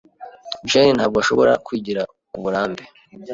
Jane ntabwo ashoboye kwigira kuburambe.